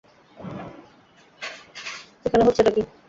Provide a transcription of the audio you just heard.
এখানে হচ্ছেটা কী?